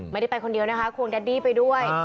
ไม่ได้ไปคนเดียวนะคะควงแดดดี้ไปด้วย